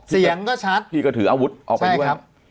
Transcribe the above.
เสียงก็ชัดพี่ก็ถืออาวุธออกไปด้วยครับ